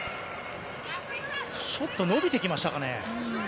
ちょっと伸びてきましたかね。